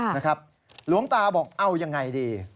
หลวงตาบอกเอายังไงดี